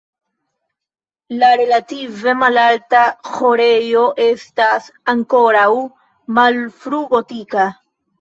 La relative malalta ĥorejo estas ankoraŭ malfrugotika.